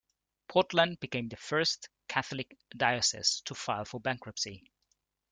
Portland became the first Catholic diocese to file for bankruptcy.